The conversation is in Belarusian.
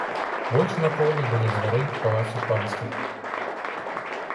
Больш на полі ды ля дзвярэй палацаў панскіх.